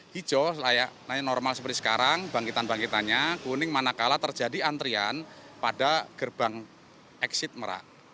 hijau layak naik normal seperti sekarang bangkitan bangkitannya kuning manakala terjadi antrian pada gerbang exit merak